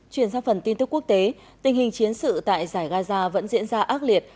chuyển sang phần tin tức quốc tế tình hình chiến sự tại giải gaza vẫn diễn ra ác liệt